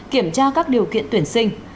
kiểm tra các điều kiện tuyển sinh